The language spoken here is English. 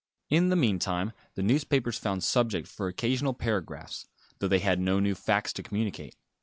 In the meantime the newspapers found subject for occasional paragraphs, though they had no new facts to communicate.